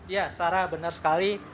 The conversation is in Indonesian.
ya sara benar sekali